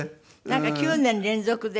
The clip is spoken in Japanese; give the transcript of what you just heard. なんか９年連続で。